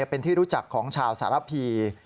เป็นที่รู้จักของชาวสารพี